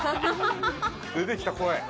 ◆出てきた声。